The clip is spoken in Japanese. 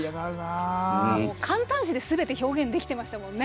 感嘆詞ですべて表現できてましたね。